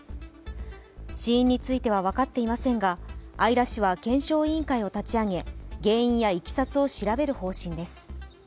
死因については分かっていませんが姶良市は検証委員会を立ち上げ原因やいきさつを調べる方針です。